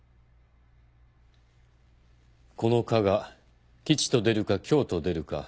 この卦が吉と出るか凶と出るか